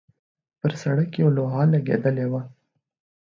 پر سړک یوه لوحه لګېدلې وه.